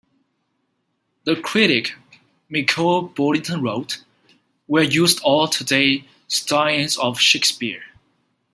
The critic Michael Billington wrote, We are used to all-day stagings of Shakespeare.